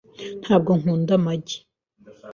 Ntabwo nkunda amagi .